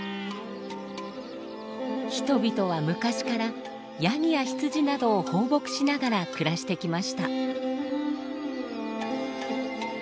人々は昔からヤギや羊などを放牧しながら暮らしてきました。